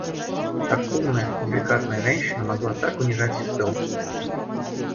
Как умная, деликатная женщина могла так унижать сестру!